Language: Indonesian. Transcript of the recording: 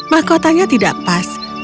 mahkotanya tidak pas